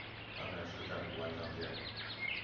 大概是在五萬上下